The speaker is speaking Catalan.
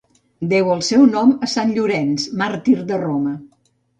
Deu el seu nom a sant Llorenç màrtir de Roma.